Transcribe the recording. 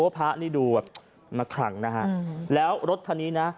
พระนี่ดูแบบมาขลังนะฮะแล้วรถคันนี้นะ